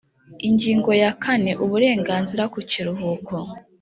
Ingingo ya kane Uburenganzira ku kiruhuko